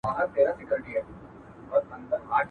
هغه ستا د ابا مېنه تالا سوې.